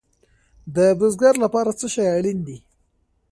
د بزګر لپاره څه شی اړین دی؟